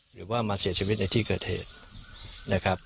หรือว่ามาเสียชีวิตในที่เกิดเหตุนะครับ